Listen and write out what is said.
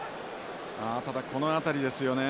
ただこの辺りですよね。